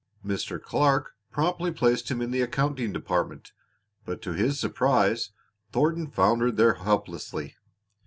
Mr. Clark promptly placed him in the accounting department, but to his surprise Thornton foundered there helplessly.